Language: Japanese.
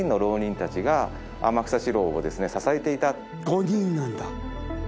５人なんだ。